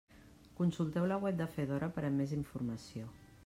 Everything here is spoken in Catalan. Consulteu la web de Fedora per a més informació.